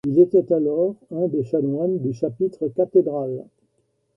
Il était alors un des chanoines du chapitre cathédral.